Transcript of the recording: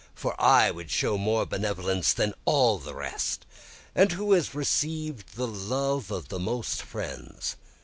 for I would show more benevolence than all the rest, And who has receiv'd the love of the most friends?